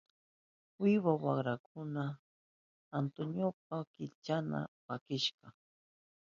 Wiwa wakrakuna Antoniopa kinchanta pakishka.